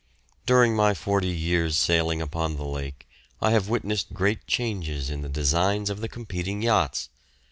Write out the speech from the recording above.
During my forty years' sailing upon the lake I have witnessed great changes in the designs of the competing yachts.